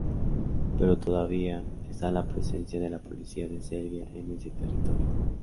Pero todavía, está la presencia de la policía de Serbia en ese territorio.